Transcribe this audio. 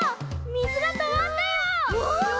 みずがとまったよ！